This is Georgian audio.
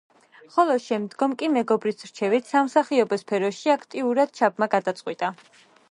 ხოლო შემდგომ კი მეგობრის რჩევით სამსახიობო სფეროში აქტიურად ჩაბმა გადაწყვიტა.